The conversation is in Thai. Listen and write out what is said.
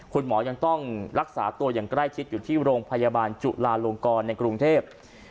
คุณหมอยังต้องรักษาตัวอย่างใกล้ชิดอยู่ที่โรงพยาบาลจุลาลงกรในกรุงเทพ